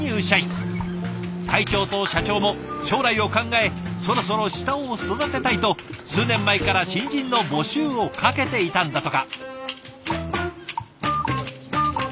会長と社長も将来を考えそろそろ下を育てたいと数年前から新人の募集をかけていたんだとか。